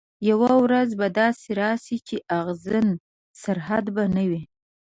یوه ورځ به داسي راسي چي اغزن سرحد به نه وي